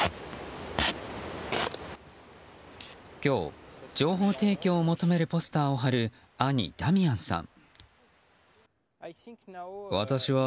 今日、情報提供を求めるポスターを貼る兄ダミアンさん。